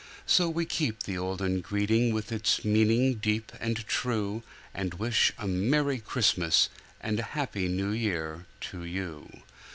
So we keep the olden greeting With its meaning deep and true, And wish a Merrie Christmas And a Happy New Year to you!